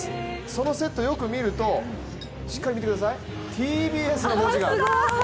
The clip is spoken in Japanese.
そのセット、よく見るとしっかり見てください、「ＴＢＳ」の文字が。